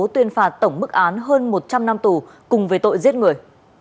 tuyên phạt tổng mức án hơn một trăm linh năm tù cùng với tội giết người